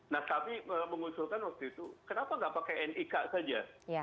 nah kami mengusulkan waktu itu kenapa nggak pakai nik saja